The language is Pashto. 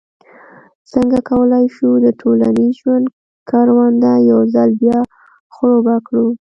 څنګه کولای شو د ټولنیز ژوند کرونده یو ځل بیا خړوبه کړو.